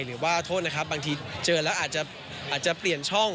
หรือว่าโทษนะครับบางทีเจอแล้วอาจจะเปลี่ยนช่อง